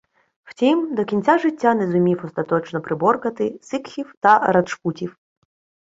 Втім до кінця життя не зумів остаточно приборкати сикхів та раджпутів.